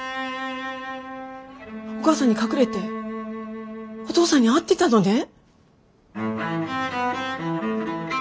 お母さんに隠れてお父さんに会ってたのね？